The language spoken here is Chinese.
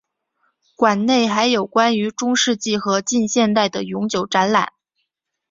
馆内还有关于中世纪和近现代的永久展览。